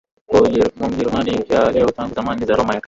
Mwa Ujerumani ya leo tangu zamani za Roma ya kale